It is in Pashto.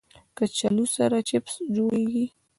کچالو سره چپس جوړېږي